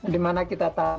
kerja dimana kita tahu